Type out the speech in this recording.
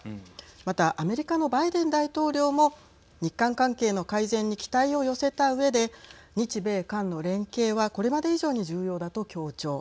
またアメリカのバイデン大統領も日韓関係の改善に期待を寄せたうえで日米韓の連携はこれまで以上に重要だと強調。